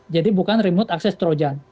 jadi bukan remote access trojan